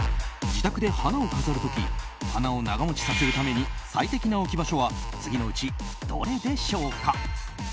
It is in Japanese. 自宅で花を飾る時花を長持ちさせるために最適な置き場所は次のうちどれでしょうか。